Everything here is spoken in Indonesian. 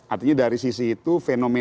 artinya dari sisi itu fenomena